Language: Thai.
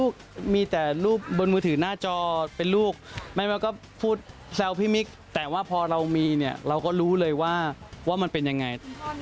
คุณพ่อมีรอยสักก็เลี้ยงลูกได้